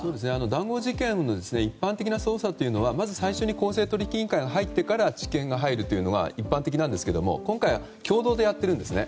談合事件の一般的な捜査というのはまず最初に公正取引委員会が入ってから地検が入るのが一般的ですが今回は共同でやってるんですね。